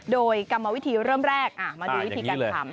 โดยกรรมวิธีเริ่มแรกมาดูวิธีการทำ